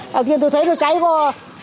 đầu tiên tôi thấy nó cháy thôi